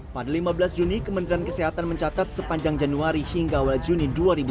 pada lima belas juni kementerian kesehatan mencatat sepanjang januari hingga awal juni dua ribu dua puluh